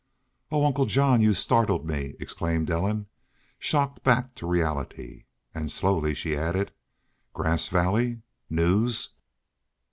"Oh! Uncle John! You startled me," exclaimed Ellen, shocked back to reality. And slowly she added: "Grass Valley! News?"